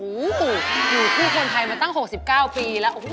อยู่ผู้คนไทยมาตั้ง๖๙ปีแล้ว